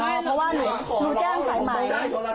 เพราะว่าหนูแจ้งใส่ไมค์